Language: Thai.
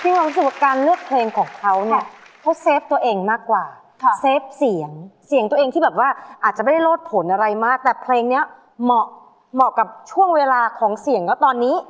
ความรู้สึกว่าการเลือกเพลงของเขาเนี่ยเขาเซฟตัวเองมากกว่าเซฟเสียงเสียงตัวเองที่แบบว่าอาจจะไม่ได้โลดผลอะไรมากแต่เพลงนี้เหมาะกับช่วงเวลาของเสียงก็ตอนนี้